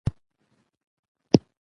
پښتو ياگانې څلور آوازونه او پينځه توري دي